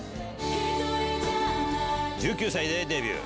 １９歳でデビュー